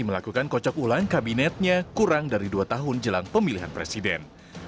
melakukan kocok ulang kabinetnya kurang dari dua tahun jelang pemilihan presiden